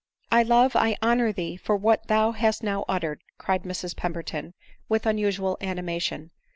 9 '" I love, I honor thee for what thou hast now uttered," cried Mrs Pemberton with unusual animation.